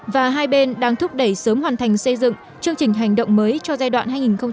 và hai bên đang thúc đẩy sớm hoàn thành xây dựng chương trình hành động mới cho giai đoạn hai nghìn một mươi chín hai nghìn hai mươi ba